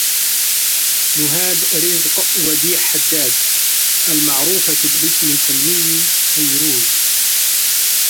نُهاد رزق وديع حداد، المعروفة بالاسم الفني فَيروز.